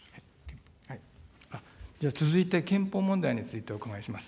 じゃあ、続いて憲法問題についてお伺いします。